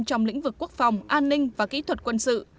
trong lĩnh vực quốc phòng an ninh và kỹ thuật quân sự